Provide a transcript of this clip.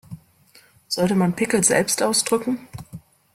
Sollte man Pickel selbst ausdrücken?